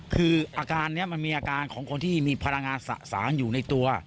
คืออาการนี้มันมีอาการของคนที่มีพลังงานสะสางอยู่ในตัว